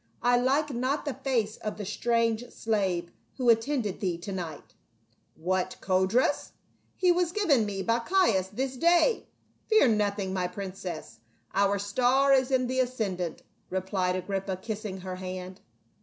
I like not the face of the strange slave, who attended thee to night." " What, Codrus ? He was given me by Caius this day. Fear nothing, my princess, our star is in the ascendant," replied Agrippa, kissing her hand.